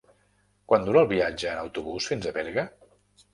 Quant dura el viatge en autobús fins a Berga?